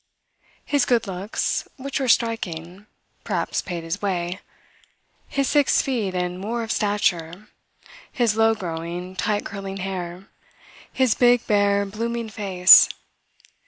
His good looks, which were striking, perhaps paid his way his six feet and more of stature, his low growing, tight curling hair, his big, bare, blooming face.